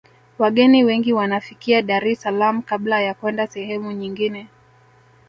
wageni wengi wanafikia dar es salaam kabla ya kwenda sehemu nyingine